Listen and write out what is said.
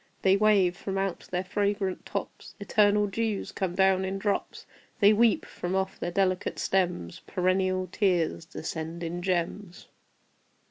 They wave: from out their fragrant tops Eternal dews come down in drops. They weep: from off their delicate stems Perennial tears descend in gems.